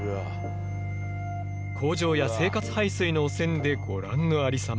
工場や生活排水の汚染でご覧のありさま。